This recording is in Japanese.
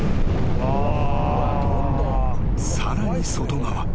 ［さらに外側］